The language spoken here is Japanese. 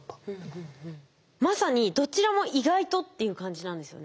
まさにどちらも「意外と」っていう感じなんですよね。